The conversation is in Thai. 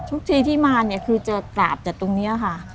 ทุกทีที่มาเนี่ยคือจะกราบจากตรงนี้ค่ะ